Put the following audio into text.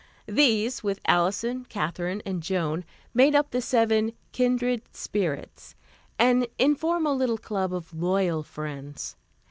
These with Alison, Katherine and Joan, made up the seven "Kindred Spirits," an informal little club of loyal friends.